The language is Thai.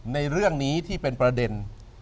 ในเรื่องนี้ที่เป็นประเด็น